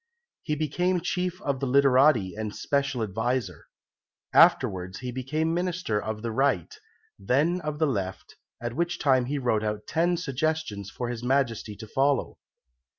He became chief of the literati and Special Adviser. Afterwards he became Minister of the Right, then of the Left, at which time he wrote out ten suggestions for His Majesty to follow.